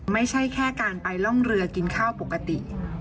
ไม่ใช่แค่การไปล่องเรือกินข้าวปกติ